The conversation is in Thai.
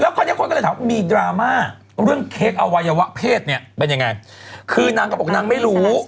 แล้วค่อนข้างคนก็เลยถามว่ามีดราม่าเรื่องเค้กอวัยวะเพศเป็นยังไง